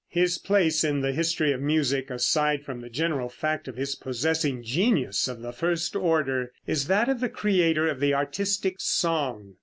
] His place in the history of music, aside from the general fact of his possessing genius of the first order, is that of the creator of the artistic song.